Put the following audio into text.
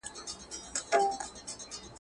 لا ایله وه رسېدلې تر بازاره .